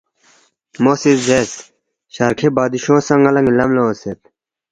مو سی زیرس، ”شرکھی بادشونگ سہ ن٘ا لہ لغم لہ اونگسید